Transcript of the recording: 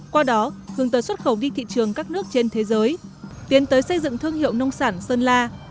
qua đó hướng tới xuất khẩu đi thị trường các nước trên thế giới tiến tới xây dựng thương hiệu nông sản sơn la